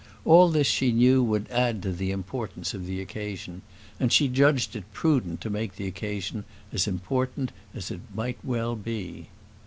All this she knew would add to the importance of the occasion, and she judged it prudent to make the occasion as important as it might well be.